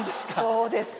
「そうですか」。